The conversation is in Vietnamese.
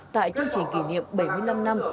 tại chương trình kỷ niệm bảy mươi năm năm